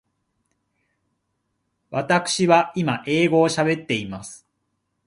わたくしは今英語を喋っています。